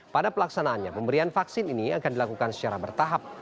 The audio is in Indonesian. pada pelaksanaannya pemberian vaksin ini akan dilakukan secara bertahap